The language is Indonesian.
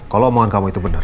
kalau omongan kamu itu benar